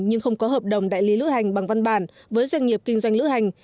nhưng không có hợp đồng đại lý lữ hành bằng văn bản với doanh nghiệp kinh doanh lữ hành